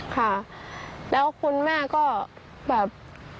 ค่ะแล้วคุณแม่ก็แบบ